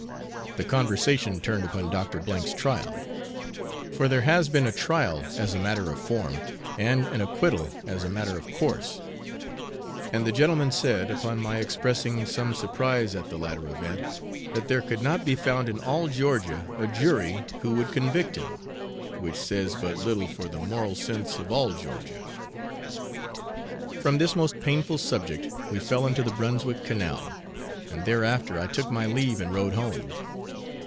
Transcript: The conversation turned upon Dr. H 's trial; for there has been a trial as a matter of form, and an acquittal as a matter of course; and the gentlemen said, upon my expressing some surprise at the latter event, that there could not be found in all Georgia a jury who would convict him, which says but little for the moral sense of 'all Georgia.' From this most painful subject we fell into the Brunswick canal, and thereafter I took my leave and rode home.